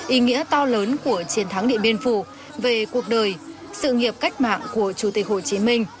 ý nghĩa to lớn của chiến thắng điện biên phủ về cuộc đời sự nghiệp cách mạng của chủ tịch hồ chí minh